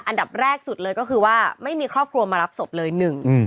อันดับแรกสุดเลยก็คือว่าไม่มีครอบครัวมารับศพเลยหนึ่ง